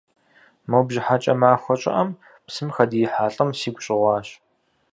Мо бжьыхьэкӏэ махуэ щӏыӏэм псым хэдиихьа лӏым сигу щӏэгъуащ.